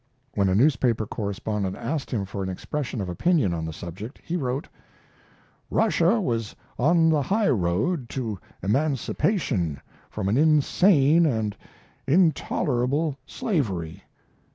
When a newspaper correspondent asked him for an expression of opinion on the subject he wrote: Russia was on the highroad to emancipation from an insane and intolerable slavery.